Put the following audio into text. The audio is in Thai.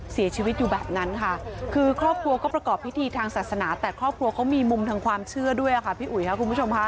เสียชีวิตอยู่แบบนั้นค่ะคือครอบครัวก็ประกอบพิธีทางศาสนาแต่ครอบครัวเขามีมุมทางความเชื่อด้วยค่ะพี่อุ๋ยค่ะคุณผู้ชมค่ะ